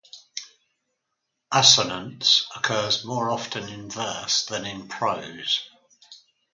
Assonance occurs more often in verse than in prose.